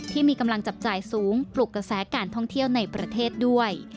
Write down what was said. ที่มีกำลังจับจ่ายสูงปลุกกระแสการท่องเที่ยวในประเทศด้วย